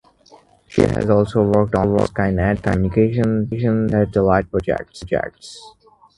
She has also worked on Skynet communications satellite projects.